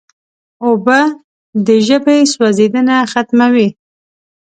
اوبه د ژبې سوځیدنه ختموي.